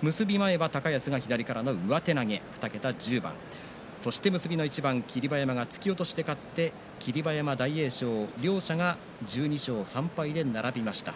結び前は高安が２桁１０番結びの一番、霧馬山が突き落としで勝って霧馬山と大栄翔、両者が１２勝３敗で並びました。